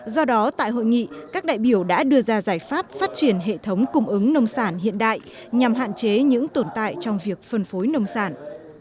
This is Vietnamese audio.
do đó tại hội nghị các đại biểu đã đưa ra giải pháp phát triển hệ thống cung ứng nông sản hiện đại nhằm hạn chế những tồn tại trong việc phân phối nông sản